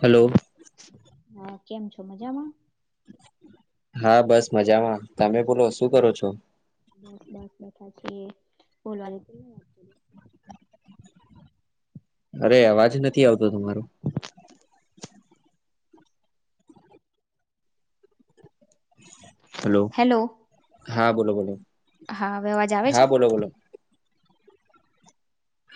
Hello [inaudible] હા કેમ છો મજામાં હા બસ મજામાં તમે બોલો શું કરો છો? બસ બસ બેઠા છીએ બોલવા વા અરે અવાજ નથી આવતો તમારો હેલો હેલો હા બોલો બોલો હા અવે અવાજ આવે છે. હા બોલો બોલો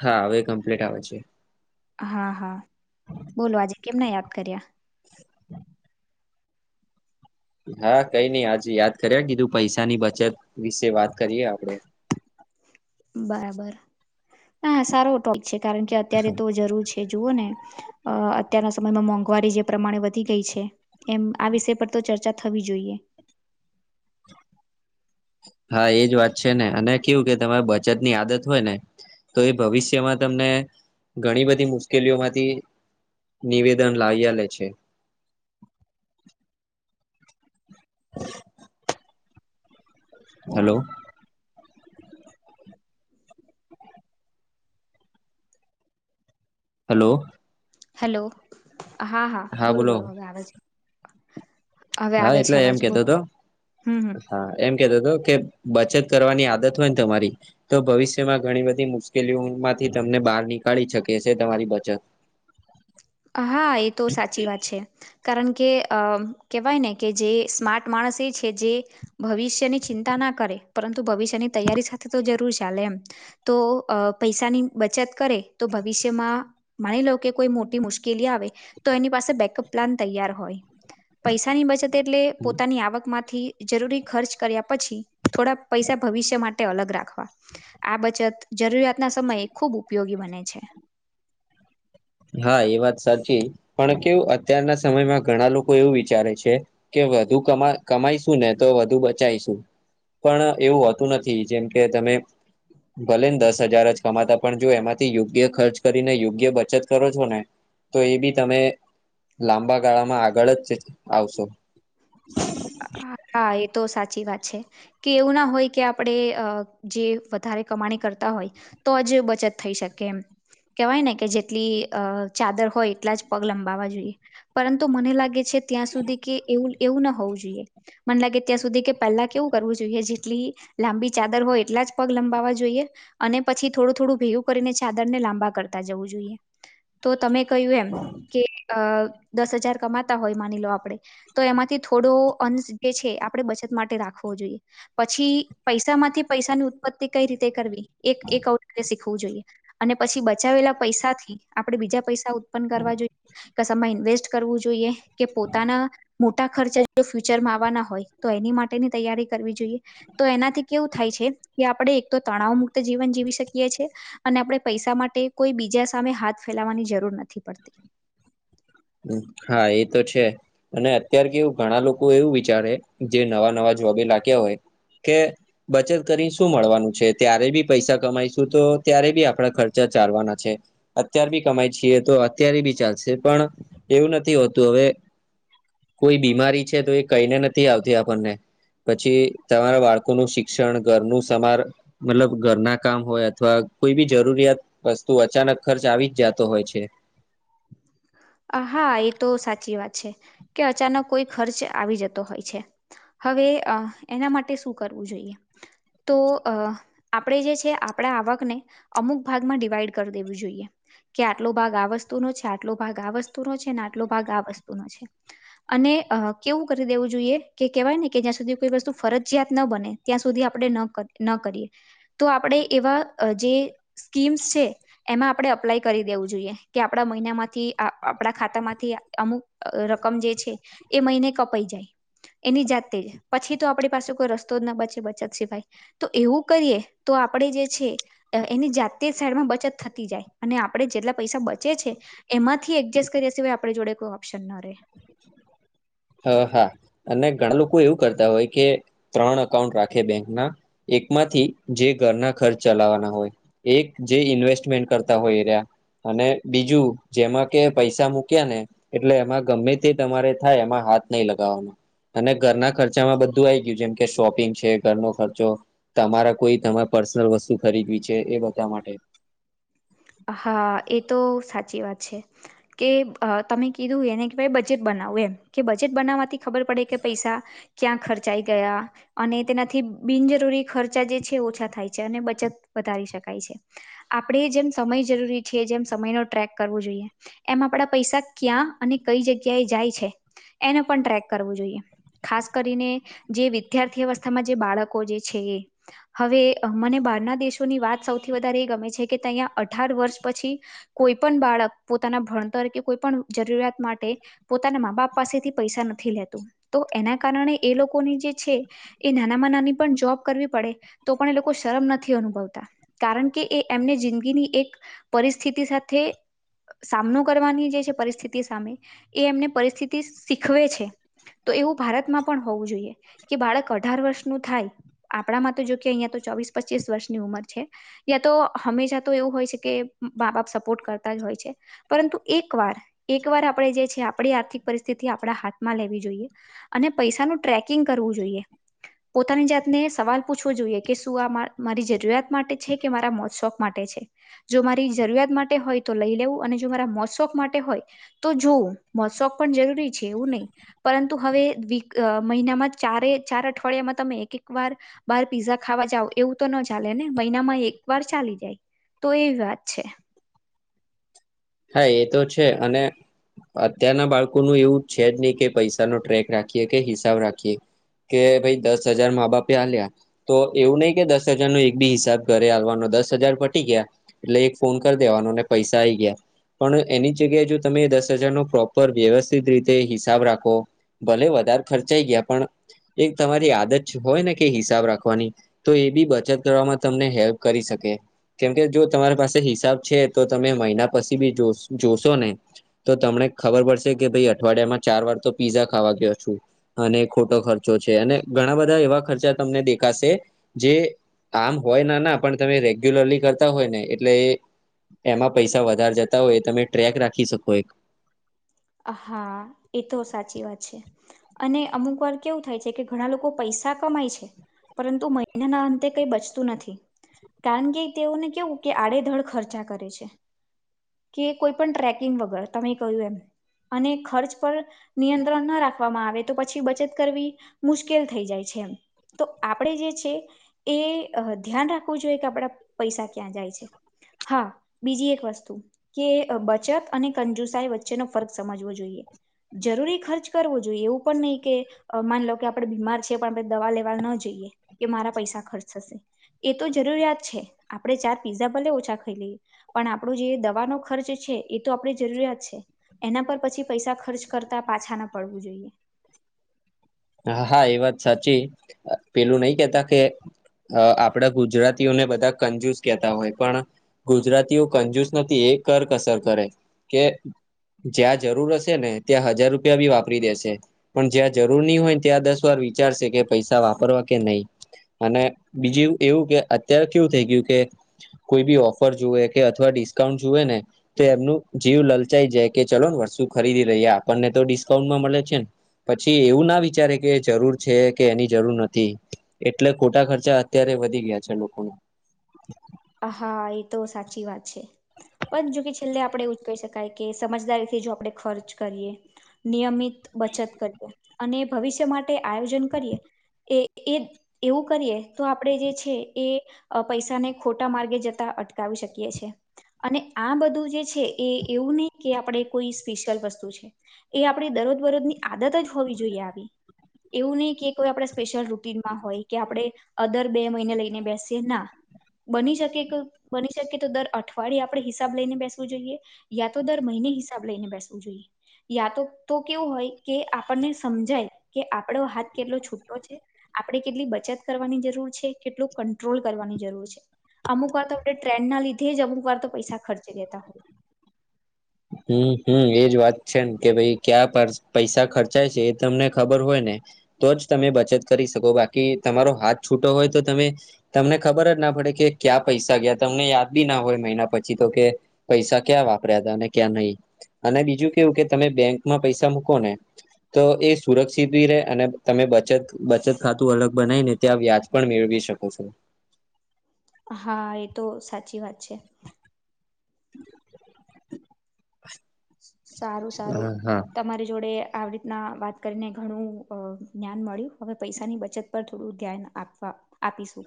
હા આવે કમ્પ્લીટ આવે છે. હા હા બોલો આજે કેમના યાદ કર્યા? [unintelligible] હા કઈ નઈ આજે યાદ કર્યા કીધું પૈસાની બચત વિશે વાત કરીયએ આપડે બરાબર હા સારો ટોપ છે કારણ કે અત્યારે છે. જે જુઓ ને અ અત્યારના સમયમાં મોંઘવારી જે પ્રમાણે વધી ગઈ છે એમ આ વિષય પર તો ચર્ચા થવી જોઈએ. હા એજ વાત છે ને અને કેવું કે તમારે બચત ની આદત હોય ને તો એ ભવિષ્યમાં તમને ઘણી બધી મુશ્કેલીઓમાંથી નિવેદન લાવ્યા લે છે. [inaudible] હલો હેલો હેલો હા હા બોલો બોલો હવે આવે છે. હવે હા આવે છે એટલે એમ અવાજ કેતો બોલો હતો હમ હમ હા. એમ કેતો હતો કે બચત કરવાની આદત હોય ને તમારી તો ભવિષ્યમાં ઘણી બધી મુશ્કેલીઓમાંથી તમને બહાર નીકાળી શકે છે તમારી બચત [inaudible] હા એ તો સાચી વાત છે. કારણ કે કહેવાય ને કે જે સ્માર્ટ માણસ એ છે જે ભવિષ્યની ચિંતા ના કરે પરંતુ ભવિષ્યની તૈયારી સાથે તો જરૂર ચાલે એમ તો પૈસાની બચત કરે તો ભવિષ્યમાં માણી લો કે કોઈ મોટી મુશ્કેલ લી આવે તો એની પાસે બેકઅપ પ્લાન તૈયાર હોય પૈસાની બચત એટલે પોતાની આવકમાંથી જરૂરી ખર્ચ કર્યા પછી થોડા પૈસા ભવિષ્ય માટે અલગ રાખવા આ બચત જરૂરિયાતના સમયે ખૂબ ઉપયોગી બને છે. હા એ વાત સાચી પણ કેવું અત્યારના સમયમાં ઘણા લોકો એવું વિચારે છે કે વધુ કમા કમાઈશું ને તો વધુ બચાયશું પણ એવું હોતું નથી જેમ કે તમે ભલેને દસ હજાર જ કમાતા પણ જો એમાંથી યોગ્ય ખર્ચ કરીને યોગ્ય બચત કરો છો ને તો એ બી તમે લાંબા ગાળામાં આગળ જ આવશો હા એ તો સાચી વાત છે કે એવું ના હોય કે આપણે અ જે વધારે કમાણી કરતા હોય તો જ બચત થઈ શકે એમ કેવાય ને કે જેટલી અ ચાદર હોય એટલા જ પગ લંબાવવા જોઈએ પરંતુ મને લાગે છે ત્યાં સુધી કે એવું એવું ના હોવું જો મન લાગે ત્યાં સુધી કે પહેલા કેવું કરવું જોઈએ જેટલી લાંબી ચાદર હોય એટલા જ પગ લંબાવા જોઈએ અને પછી થોડું થોડું ભેગુ કરીને ચાદર ને લાંબા કરતા જવું જોઈએ તો તમે કહ્યું એમ કે અ દસ હજાર કમાતા હોય માની લો આપડે તો એમાંથી થોડો ફંડ જે છે આપણે બચત માટે રાખવો જોઈએ પછી પૈસા માંથી પૈસાની ઉત્પત્તિ કઈ રીતે કરવી એ એ [unintelligible] હોવું જોઈએ અને પછી બચાવેલા પૈસા થી આપડે બીજા પૈસા ઉત્પન્ન કરવા જોઈએ કસામાં ઇન્વેસ્ટ કરવું જોઈએ કે પોતાના મોટા ખર્ચા જો ફ્યુચરમાં આવવાના હોય તો એની માટેની તૈયારી કરવી જોઈએ તો એનાથી કેવું થાય છે કે આપડે એક તો તણાવ મુક્ત જીવન જીવી શકીએ છીએ અને આપણે પૈસા માટે કોઈ બીજા સામે હાથ ફેલાવાની જરૂર નથી પડતી હ હા એ તો છે અને અત્યારે કેવુ ઘણા લોકો એવું વિચારે જે નવા નવા જોબે લાગ્યા હોય કે બચત કરીને શું મળવાનું છે ત્યારે બી પૈસા કમાઈશું તો ત્યારે બી આપણા ખર્ચા ચાલવાના છે અત્યાર બી કમાય છીએ તો અત્યારે બી ચાલશે પણ એવું નથી હોતું હવે કોઈ બીમારી છે તો એ કઈને નથી આવતી આપણને પછી તમારા બાળકોનું શિક્ષણ ઘરનું સમાર મતલબ ઘરના કામ હોય અથવા કોઈ બી જરૂરિયાત વસ્તુ અચાનક ખર્ચ આવી જ જાતો હોય છે અ હા એ તો સાચી વાત છે કે અચાનક કોઈ ખર્ચ આવી જતો હોય છે હવે અ એના માટે શું કરવું જોઈએ તો અ આપણે જે છે આપણા આવકને અમુક ભાગમાં ડિવાઈડ કર દેવી જોઈએ કે આટલો ભાગ આ વસ્તુનો છે આટલો ભાગ આ વસ્તુનો છે અને આટલો ભાગ આ વસ્તુનો છે અને અ કેવું કરી દેવું જોઈએ કે કેવાય ને કે જ્યાં સુધી કોઈ વસ્તુ ફરજયાત ન બને ત્યાં સુધી આપણે નક ન કરીએ તો આપણે એવા જે સ્કીમ્સ છે એમાં આપણે અપ્લાય કરી દેવું જોઈએ કે આપણા મહિનામાંથી આ આપણા ખાતામાંથી અમુક રકમ જે છે એ મહિને કપાઈ જાય એની જાતે પછી તો આપણી પાસે કોઈ રસ્તો જ ના બચે બચત સિવાય તો એવું કરીએ તો આપણેે જે છે એની જાતેજ શહેરમાં બચત થતી જાય અને આપણે જેટલા પૈસા બચે છે એમાં જ થી એડજસ્ટ કર્યા સિવાય આપણી જોડે કોઈ ઓપ્શન ન રે હ હા અને ઘણા લોકો એવું કરતા હોય કે ત્રણ અકાઉન્ટ રાખે બેંકના એકમાંથી જે ઘરના ખર્ચ ચલાવાના હોય એક જે ઇન્વેસ્ટમેન્ટ કરતા હોય એ રહ્યા અને બીજું જેમાં કે પૈસા મૂક્યા ને એટલે એમાં ગમે તે તમારે થાય એમાં હાથ નઈ લગાવવાનો અને ઘરના ખર્ચામાં બધું આઈ ગ્યુ જેમ કે શોપિંગ છે ઘરનો ખર્ચો તમારા કોઈ તમારે પર્સનલ વસ્તુ ખરીદવી છે એ બધા માટે હા એ તો સાચી વાત છે કે તમે કીધું એને ક ભય બજેટ બનાવવું એમ કે બજેટ બનાવવાથી ખબર પડે કે પૈસા ક્યાં ખર્ચાઈ ગયા અને તેનાથી બિનજરૂરી ખર્ચા જે છે ઓછા થાય છે અને બચત વધારી શકાય છે આપણેે જેમ સમય જરૂરી છે જેમ સમયનો ટ્રેક કરવો જોઈએ એમાં આપડા પૈસા ક્યાં અને કઈ જગ્યા એ જાય છે એને પણ ટ્રેક કરવું જોઈએ ખાસ કરીને જે વિદ્યાર્થી અવસ્થામાં જે બાળકો જે છે એ હવે મને બહારના દેશોની વાત સૌથી વધારે એ ગમે છે કે તહીંયા અઠાર વર્ષ પછી કોઈ પણ બાળક પોતાના ભણતર કે કોઈ પણ જરૂરિયાત માટે પોતાના મા બાપ પાસેથી પૈસા નથી લેતું તો એના કારણે એ લોકોની જે છે એ નાનામાં નાની પણ જોબ કરવી પડે તો પણ એ લોકો શરમ નથી અનુભવતા કારણ કે એ એમને જિંદગીની એક પરિસ્થિતિ સાથે સામનો કરવાની જે છે પરિસ્થિતિ સામે એ એમને પરિસ્થિતિ શીખવે છે તો એવું ભારતમાં પણ હોવું જોઈએ કે બાળક અઢાર વર્ષનું થાય આપણામાં તો જો કે અહિયાં તો ચોવીસ પચીસ વર્ષની ઉંમર છે યા તો હમેશા તો એવુ હોય છે કે મા બાપ સપોર્ટ કરતા જ હોય છે પરંતુ એક વાર એક વાર આપણે જે છે આપણી આર્થિક પરિસ્થિતિ આપણા હાથમાં લેવી જોઈએ અને પૈસાનું ટ્રેકિંગ કરવું જોઈએ પોતાની જાતને સવાલ પૂછવો જોઈએ કે શું આ મારી જરૂરિયાત માટે છે કે મારા મોજ શોખ માટે છે જો મારી જરૂરિયાત માટે હોય તો લઈ લેવું અને જો મારા મોજ શોખ માટે હોય તો જોવ મોજ શોખ પણ જરૂરી છે એવું નહી પરંતુ હવે વીક મહિનામાં ચારે ચાર અઠવાડિયામાં તમે એક એક વાર બહાર પીઝા ખાવા જાવ એવું તો ન ચાલે ને મહિનામાં એક વાર ચાલી જાય તો એવી વાત છે હા એ તો છે અને અત્યારના બાળકોનું એવું છે જ નહી કે પૈસાનો ટ્રેક રાખીએ કે હિસાબ રાખીએ કે ભાઈ દસ હજાર મા બાપે આલ્યા તો એવું નહી કે દસ હજાર નો એક બી હિસાબ ઘરે આવવાનો દસ હજાર પટી ગયા એટલે એક ફોન કરી દેવાનોને પૈસા આઈ ગયા પણ એની જગ્યાએ જો તમે દસ હજારનો પ્રોપર વ્યવસ્થિત રીતે હિસાબ રાખો ભલે વધારે ખર્ચાઈ ગયા પણ એક તમારી આદત હોય ને કે હિસાબ રાખવાની તો એ બી બચત કરવામાં તમને હેલ્પ કરી શકે કેમ કે જો તમારી પાસે હિસાબ છે તો તમે મહિના પછી બી જો જોશો ને તો તમને ખબર પડશે કે ભાઈ અઠવાડિયામાં ચાર વાર તો પીઝા ખાવા ગયો છું. અને ખોટો ખર્ચો છે અને ઘણા બધા એવા ખર્ચા તમને દેખાશે જે આમ હોય ના ના પણ તમે રેગ્યુલરલી કરતા હોય ને એટલે એમાં પૈસા વધારે જતા હોય તમે ટ્રેક રાખી શકો એક હા એ તો સાચી વાત છે અને અમુક વાર કેવું થાય છે કે ઘણા લોકો પૈસા કમાય છે પરંતુ મહિનાના અંતે કઈ બચતું નથી કારણ કે તેઓને કેવું કે આડેધડ ખર્ચા કરે છે કે કોઈ પણ ટ્રેકિંગ વગર તમે કહું એમ અને ખર્ચ પર નિયંત્રણ ના રાખવામાં આવે તો પછી બચત કરવી મુશ્કેલ થઈ જાય છે એમ. તો આપણે જે છે એ ધ્યાન રાખવું જોઈએ કે આપડા પૈસા ક્યાં જાય છે હા બીજી એક વસ્તુ કે બચત અને કંજુસાઈ વચ્ચેનો ફરક સમજવું જોઈએ જરૂરી ખર્ચ કરવો જોઈએ એવું પણ નહીં કે માનલો કે આપણેે બીમાર છેએ પણ આપણે દવા લેવા ના જઈએ કે મારા પૈસા ખર્ચ થશે એ તો જરૂરિયાત છે આપડે ચાર પીઝા ભલે ઓછા ખાઈ લઈએ પણ આપણો જે દવાનો ખર્ચ છે એ તો આપણેે જરૂરિયાત છે એના પર પછી પૈસા ખર્ચ કરતા પાછા ના પડવું જોઈએ હા હા એ વાત સાચી પેલું નહી કેતા કે અ આપણા ગુજરાતીઓને બધા કંજુઝ કહેતા હોય પણ ગુજરાતીઓ કંજુસ નથી એ કરકસર કરે કે જ્યાં જરૂર હશે ને ત્યાં હજાર રૂપિયા ભી વાપરી દેશે પણ જ્યાં જરૂર હોય ત્યાં દસ વાર વિચારશે કે પૈસા વાપરવા કે નહી અને બીજું એવું કે અત્યારે કેવું થઇ ગયું કે કોઈ ભી ઓફર જુએ કે અથવા ડિસ્કાઉન્ટ જુએ ને એમનું જીવ લલચાઈ કે ચલો ને વસ્તુ ખરીદી લહીએ આપણને તો ડિસ્કાઉન્ટમાં મળે છે ને પછી એવું ના વિચારે કે જરૂર છે કે એની જરૂર નથી એટલે ખોટા ખર્ચા અત્યારે વધી ગયા છે લોકોના હા એ તો સાચી વાત છે પણ જોકે છેલ્લે આપણેે એવું જ કહી શકાય કે સમજદારીથી જો આપડે ખર્ચ કરીએ નિયમિત બચત કરીએ અને ભવિષ્ય માટે આયોજન કરીએ એ એ એવું આપણેે જે છે એ પૈસાને ખોટા માર્ગે જતા અટકાવી શકીએ છીએ અને આ બધું જે છે એ એવું નહીં કે આપણે કોઈ સ્પેશિયલ વસ્તુ છે એ આપણી દરોજ બરોજની આદત જ હોવી જોઈએ આવી એવું નહીં કે કોઈ આપણા સ્પેશિયલ રૂટીનમાં હોય કે આપણે અદર બે મહિને લઈને બેસીએ ના બની શકે કે બની શકે તો દર અઠવાડિયે આપણે હિસાબ લઈને બેસવું જોઈએ યા તો દર મહિને હિસાબ લઈને બેસવું જોઈએ યા તો તો કેવું હોય કે આપણને સમજાય કે આપડો હાથ કેટલો છૂટો છે આપણેે કેટલી બચત કરવાની જરૂર છે કેટલું કંટ્રોલ કરવાની જરૂર છે અમુક વાર તો આપણે ટ્રેન્ડના લીધે જ અમુક વાર તો પૈસા ખર્ચી લેતા હોય હમ એજ વાત છે ને કે ભાઈ ક્યાં પૈસા ખર્ચાય છે એ તમને ખબર હોય ને તો જ તમે બચત કરી શકો બાકી તમારો હાથ છૂટો હોય તો તમે તમને ખબર જ ના પડે કે ક્યા પૈસા ગયા તમને યાદ ભી ના હોય મહિના પછી તો કે પૈસા ક્યાં વાપર્યા હતા અને ક્યાં નહી અને બીજું કેવું કે તમે બેંકમાં પૈસા મૂકો ને તો એ સુરક્ષિત ભી રે અને તમે બચત બચત ખાતું અલગ બનાય ને ત્યાં વ્યાજ પણ મેળવી શકો છો હા એ તો સાચી વાત છે [inaudible] સારું સારું હા હા તમારી જોડે આવડી ના વાત કરીને ઘણું જ્ઞાન મળ્યું હવે પૈસાની બચત પર થોડું ધ્યાન આપવા આપીશું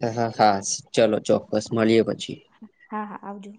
હા હા ચલો ચોક્કસ મળીએ પછી હા હા આવજો